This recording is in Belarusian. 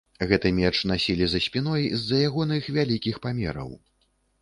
Гэты меч насілі за спіной з-за ягоных вялікіх памераў.